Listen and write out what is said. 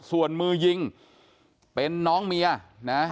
ส่วนมือยิงเป็นน้องเมียนะ